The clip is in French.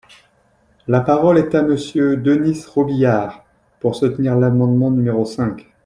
La parole est à Monsieur Denys Robiliard, pour soutenir l’amendement numéro cinq.